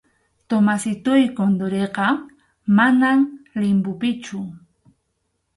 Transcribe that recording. Tomasitoy Condoriqa, manam limbopichu.